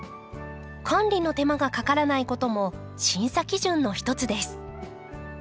管理の手間がかからないことも審査基準の一つです。